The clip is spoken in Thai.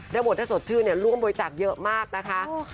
ในกรดภัยสดชื่อเนี่ยร่วมบริจาคเยอะมากนะคะ